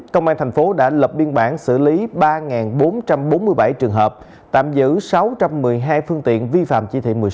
công an thành phố đã lập biên bản xử lý ba bốn trăm bốn mươi bảy trường hợp tạm giữ sáu trăm một mươi hai phương tiện vi phạm chỉ thị một mươi sáu